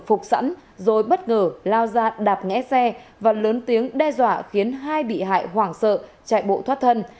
phục sẵn rồi bất ngờ lao ra đạp ngã xe và lớn tiếng đe dọa khiến hai bị hại hoảng sợ chạy bộ thoát thân